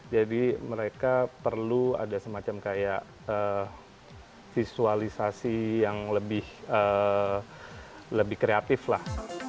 jadi mereka perlu ada semacam kayak visualisasi yang lebih kreatif lah